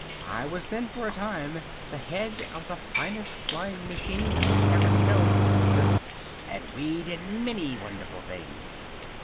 I was then for a time the Head of the finest Flying Machine that was ever known to exist, and we did many wonderful things.